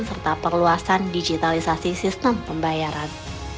serta perluasan digitalisasi sistem pembayaran